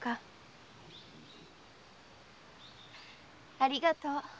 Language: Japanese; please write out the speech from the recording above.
ありがとう。